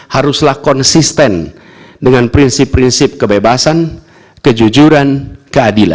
haruslah konsisten dengan prinsip prinsip kebebasan kejujuran keadilan